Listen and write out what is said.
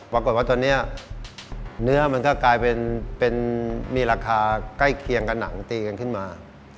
ปรากฏว่าตอนนี้เนื้อมันก็กลายเป็นมีราคาใกล้เคียงกับหนังตีกันขึ้นมา